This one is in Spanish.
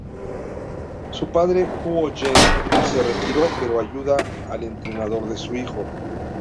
Su padre, Kuo Yen, se retiró, pero ayuda al entrenador de su hijo.